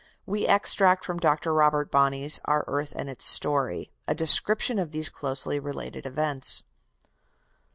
We extract from Dr. Robert Bonney's "Our Earth and its Story" a description of these closely related events.